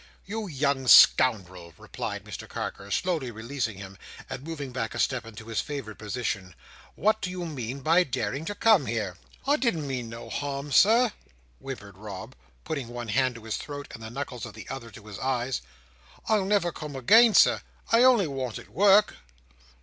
"You young scoundrel!" replied Mr Carker, slowly releasing him, and moving back a step into his favourite position. "What do you mean by daring to come here?" "I didn't mean no harm, Sir," whimpered Rob, putting one hand to his throat, and the knuckles of the other to his eyes. "I'll never come again, Sir. I only wanted work."